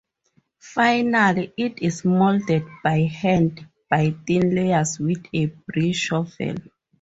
Finally, it is molded by hand by thin layers with a brie shovel.